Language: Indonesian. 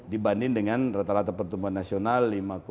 dibanding dengan rata rata pertumbuhan nasional lima dua lima empat